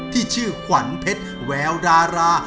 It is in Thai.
ที่ชื่อขวัญเพชรแววดารา